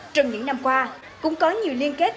trong những năm qua cũng có nhiều liên kết